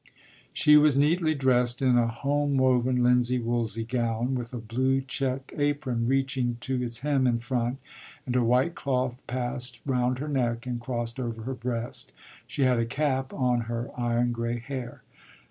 She was neatly dressed in a home woven linsey woolsey gown, with a blue check apron reaching to its hem in front, and a white cloth passed round her neck and crossed over her breast; she had a cap on her iron gray hair.